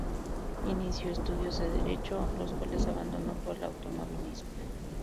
Inició estudios de Derecho, los cuales abandonó por el automovilismo.